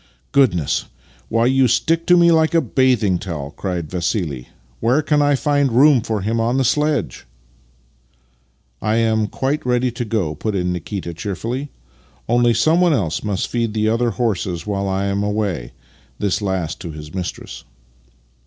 " Goodness! Why, you stick to me like a bathing towel! " cried Vassili. " Where can I find room for him on the sledge? "" I am quite ready to go," put in Nikita, cheerfully. " Only, someone else must feed the other horses while I am away," (this last to his mistress).